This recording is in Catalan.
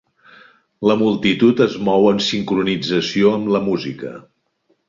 La multitud es mou en sincronització amb la música.